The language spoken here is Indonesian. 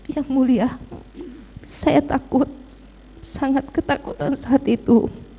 yang mulia saya takut sangat ketakutan saat itu